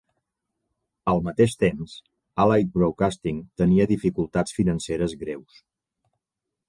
Al mateix temps, Allied Broadcasting tenia dificultats financeres greus.